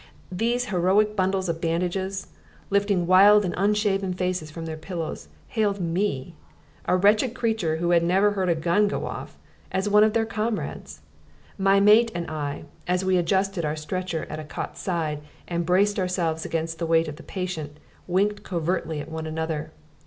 These heroic bundles of bandages, lifting wild and unshaven faces from their pillows, hailed me (a wretched creature who had never heard a gun go off) as one of their comrades! My mate and I, as we adjusted our stretcher at a cot's side, and braced ourselves against the weight of the patient, winked covertly at one another.